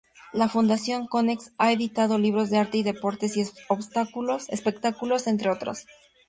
La Fundación Konex ha editado libros de arte, deportes y espectáculos, entre otros.